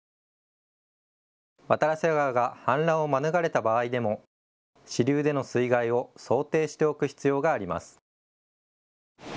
渡良瀬川が氾濫を免れた場合でも支流での水害を想定しておく必要があります。